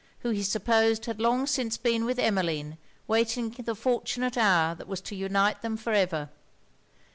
who he supposed had long since been with Emmeline, waiting the fortunate hour that was to unite them for ever.